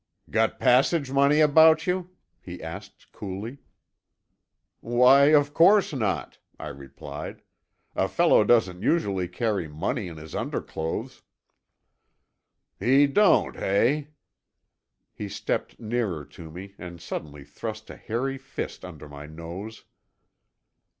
"Got passage money about you?" he asked coolly. "Why, of course not," I replied. "A fellow doesn't usually carry money in his underclothes." "He don't, hey?" He stepped nearer to me and suddenly thrust a hairy fist under my nose.